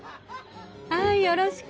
はいよろしく。